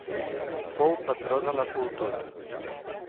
Fou patró de la cultura.